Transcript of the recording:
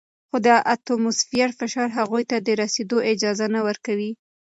خو د اتموسفیر فشار هغوی ته د رسیدو اجازه نه ورکوي.